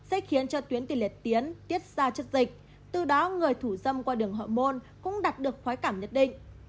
sẽ khiến cho tuyến tiền liệt tiến tiết ra chất dịch từ đó người thủ dâm qua đường hậu môn cũng đạt được khoái cảm nhất định